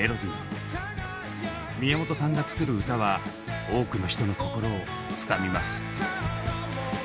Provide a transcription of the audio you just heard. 宮本さんが作る歌は多くの人の心をつかみます。